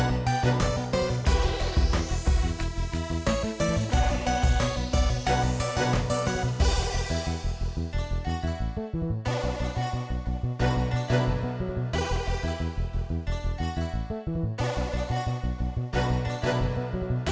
nah ini digunakan untuk mengeringkan obat abduk